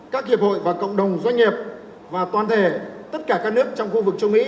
các hiệp hội và cộng đồng doanh nghiệp và toàn thể tất cả các nước trong khu vực châu mỹ